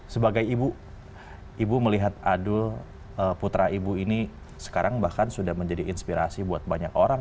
sebagai ibu ibu melihat adul putra ibu ini sekarang bahkan sudah menjadi inspirasi buat banyak orang